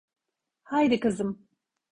Haydi kızım.